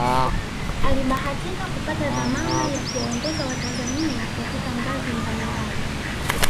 Alibahatika kupata dhamana ya kuwaongoza watanzania katika ngazi mbali mbali